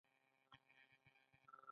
د جنګ ژبه یوازې ویرانی راوړي.